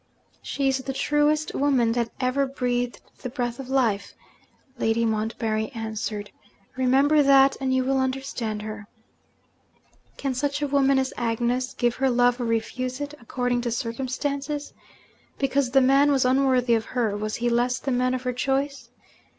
'She is the truest woman that ever breathed the breath of life,' Lady Montbarry answered. 'Remember that, and you will understand her. Can such a woman as Agnes give her love or refuse it, according to circumstances? Because the man was unworthy of her, was he less the man of her choice?